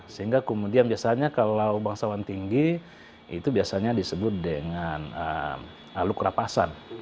sehingga kemudian biasanya kalau bangsawan tinggi itu biasanya disebut dengan aluk rapasan